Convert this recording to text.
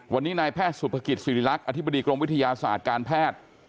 วันนี้นายแพทย์สุภกิจศิริรักษ์อธิบดีกรมวิทยาศาสตร์การแพทย์